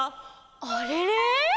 「あれれ」